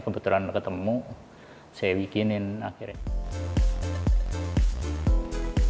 kebetulan ketemu saya bikinin akhirnya